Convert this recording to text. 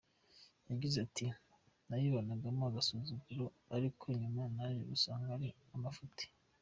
Yagize ati “Nabibonagamo agasuzuguro ariko nyuma naje gusanga ari amafuti.